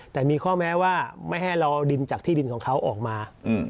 แต่มีข้อแม้ว่าไม่ให้เราเอาดินจากที่ดินของเขาออกมา